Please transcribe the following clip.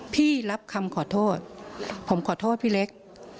พี่รับคำขอโทษผมขอโทษพี่เล็ก